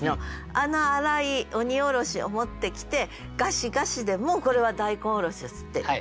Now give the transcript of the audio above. あの粗い「鬼おろし」を持ってきて「ガシガシ」でもうこれは大根おろしを擦っている。